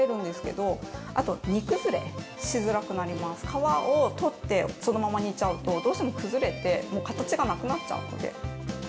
皮を取ってそのまま煮ちゃうと、どうしても崩れて、形がなくなっちゃうので。